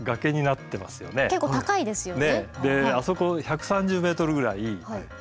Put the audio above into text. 結構高いですよね。